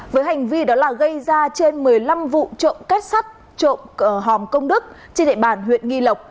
với hành vi đó là gây ra trên một mươi năm vụ trộm kết sắt trộm hòm công đức trên địa bàn huyện nghi lộc